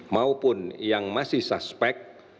maupun yang masih suspek